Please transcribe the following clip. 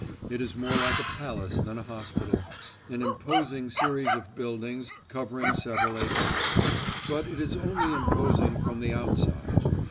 It is more like a palace than a hospital—an imposing series of buildings covering several acres; but it is only imposing from the outside.